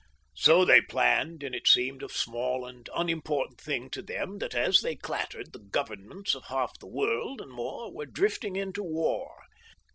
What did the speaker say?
So they planned, and it seemed a small and unimportant thing to them that as they clattered the governments of half the world and more were drifting into war.